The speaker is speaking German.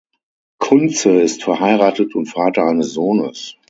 Kunze ist verheiratet und Vater eines Sohnes.